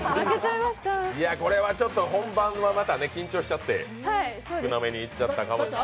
これは本番はまた緊張しちゃって少なめにいっちゃったかもしれない。